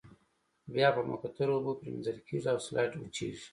بیا په مقطرو اوبو پریمنځل کیږي او سلایډ وچیږي.